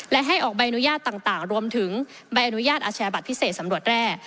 และให้ออกใบอนุญาตต่างรวมถึงใบอนุญาตอาชาบัตรพิเศษสำรวจแร่